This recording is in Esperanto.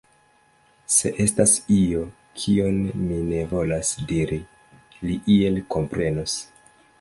Se estas io, kion mi ne volas diri, li iel komprenos.